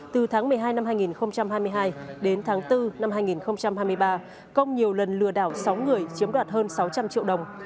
từ tháng một mươi hai năm hai nghìn hai mươi hai đến tháng bốn năm hai nghìn hai mươi ba công nhiều lần lừa đảo sáu người chiếm đoạt hơn sáu trăm linh triệu đồng